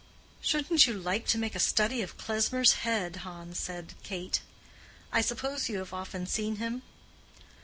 "Shouldn't you like to make a study of Klesmer's head, Hans?" said Kate. "I suppose you have often seen him?"